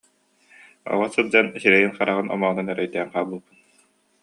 Оҕо сылдьан сирэйин-хараҕын омоонун эрэ өйдөөн хаалбыппын